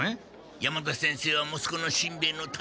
山田先生は息子のしんべヱの大切な恩師。